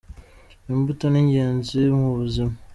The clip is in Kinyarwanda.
Imbuto n'ingenzi mubuzima.